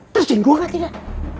tersinggung gak tidak